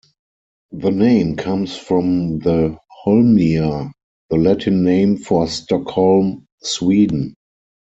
The name comes from the "Holmia", the Latin name for Stockholm, Sweden.